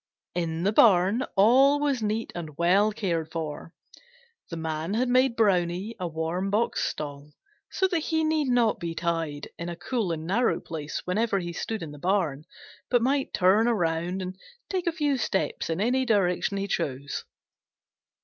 In the barn all was neat and well cared for. The Man had made Brownie a warm box stall, so that he need not be tied in a cool and narrow place whenever he stood in the barn, but might turn around and take a few steps in any direction he chose.